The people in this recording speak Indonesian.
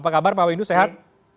apa kabar pak windu sehat